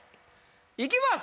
いきます。